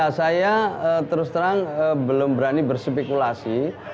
ya saya terus terang belum berani berspekulasi